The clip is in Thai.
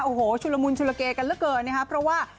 โอ้โหชุลมุนชุลเกกันเหลือเกินนะครับเพราะว่า